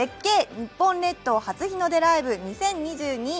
日本列島初日の出ＬＩＶＥ２０２２」。